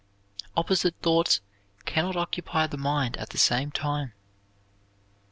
Opposite thoughts can not occupy the mind at the same time.